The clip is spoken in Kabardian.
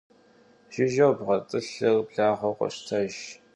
Jjıjeu bğet'ılhır blağeu khoştejj.